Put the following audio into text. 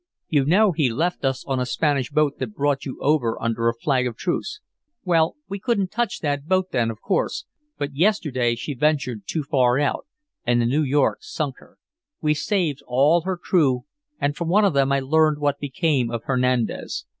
"You know he left us on a Spanish boat that brought you over under a flag of truce. Well, we couldn't touch that boat then, of course, but yesterday she ventured too far out, and the New York sunk her. We saved all her crew and from one of them I learned what became of Hernandez.